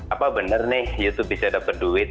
apa benar nih youtube bisa dapat duit